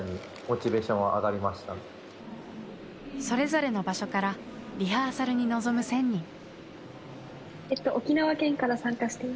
それぞれの場所からリハーサルに臨む１，０００人。